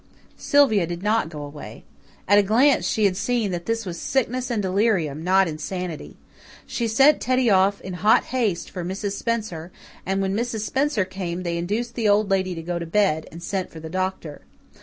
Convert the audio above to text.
Sylvia did not go away. At a glance she had seen that this was sickness and delirium, not insanity. She sent Teddy off in hot haste for Mrs. Spencer and when Mrs. Spencer came they induced the Old Lady to go to bed, and sent for the doctor.